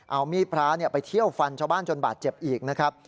เอามีดพระไปเที่ยวฟันชาวบ้านจนบาดเจ็บอีกนะครับ